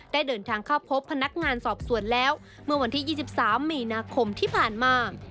ได้เดินทางเข้าพบพนักงานสอบสวนแล้วเมื่อวันที่๒๓มีนาคมที่ผ่านมา